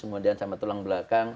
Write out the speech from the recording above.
kemudian sama tulang belakang